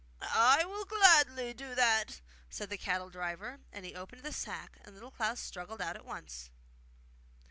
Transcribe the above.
'I will gladly do that,' said the cattle driver; and he opened the sack, and Little Klaus struggled out at once.